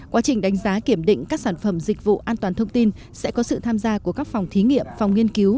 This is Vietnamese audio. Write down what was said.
quá trình đánh giá kiểm định các sản phẩm dịch vụ an toàn thông tin sẽ có sự tham gia của các phòng thí nghiệm phòng nghiên cứu